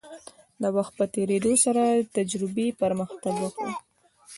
د وخت په تیریدو سره تجربې پرمختګ وکړ.